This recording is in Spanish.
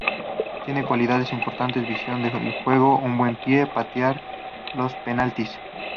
Tiene cualidades importantes: visión del juego, un buen pie, patear los penaltis.